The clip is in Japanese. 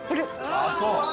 ああそう。